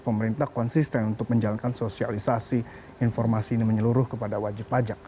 pemerintah konsisten untuk menjalankan sosialisasi informasi ini menyeluruh kepada wajib pajak